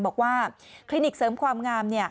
บอกว่าคลินิกเสริมความงาม